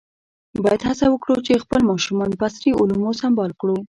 باید هڅه وکړو چې خپل ماشومان په عصري علومو سمبال کړو.